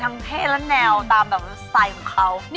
ทั้งเพชรและแนวตามสไตล์ของเขา